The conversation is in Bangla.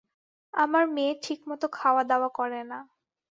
আমার মেয়ে ঠিকমত খাওয়া দাওয়া করে না।